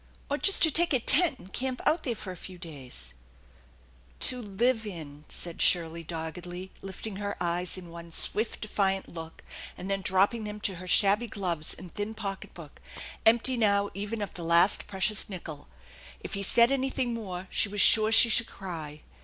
or just to take a tent and camp out there for a few days ?"" To live in," said Shirley doggedly, lifting her eyes in one swift defiant look and then dropping them to her shabby gloves and thin pocketbook, empty now even of the last precious nickel. If he said anything more, she was sure she should cry.